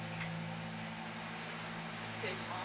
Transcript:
失礼します。